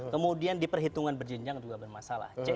kemudian di perhitungan berjenjang juga bermasalah